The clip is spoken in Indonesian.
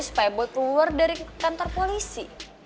supaya buat keluar dari kantor polisi